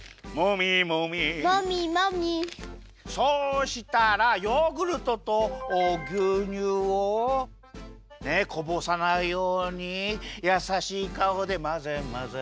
そうしたらヨーグルトとぎゅうにゅうをねっこぼさないようにやさしいかおでまぜまぜ。